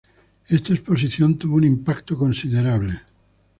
Esta Exposición tuvo un impacto considerable.